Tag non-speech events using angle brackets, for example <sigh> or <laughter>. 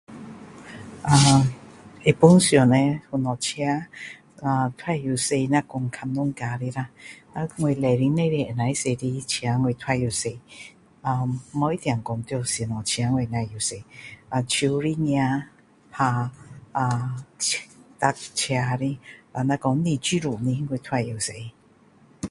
ahh 一般上叻，全部的车 ahh 都会驶那讲较小的啦，我礼申内里能够驶的车我都会驶。uhh 无一定说要有什么车，我才会驶，手的 gear ahh ahh <unintelligible> start 车的，那讲不是自动的，我都会驶。